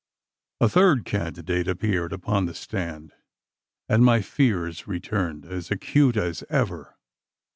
A third candidate appeared upon the stand; and my fears returned as acute as ever.